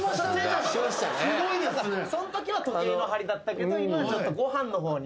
そっかそんときは時計の針だったけど今はちょっとご飯の方に。